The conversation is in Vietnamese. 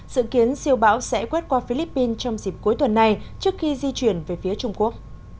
dự kiến siêu bão sẽ quét qua philippines trong dịp cuối tuần này trước khi di chuyển về phía trung quốc